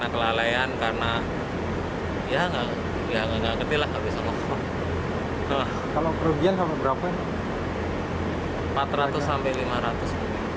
pemilik peternakan yang menempel di lantaran menjaga kemampuan kandang